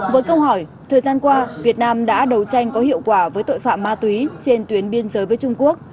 với câu hỏi thời gian qua việt nam đã đấu tranh có hiệu quả với tội phạm ma túy trên tuyến biên giới với trung quốc